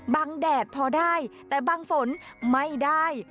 แดดพอได้แต่บางฝนไม่ได้